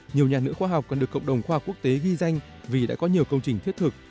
nhiều nhà nữa khoa học cần được cộng đồng khoa học quốc tế ghi danh vì đã có nhiều công trình thiết thực